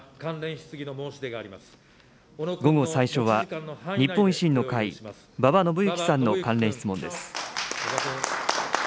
午後最初は、日本維新の会、馬場伸幸さんの関連質問です。